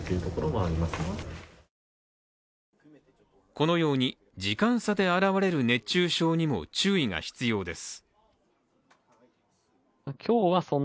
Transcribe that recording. このように時間差で現れる熱中症にも注意が必要です。